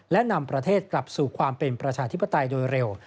และนำประเทศกลับสู่ความเป็นประชาธิปไตยโดยเร็ว